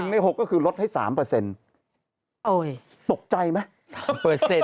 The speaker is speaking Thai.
ใน๖ก็คือลดให้๓ตกใจไหม